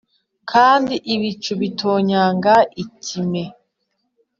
kandi ibicu bitonyanga ikime